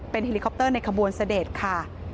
เฮลิคอปเตอร์ในขบวนเสด็จค่ะ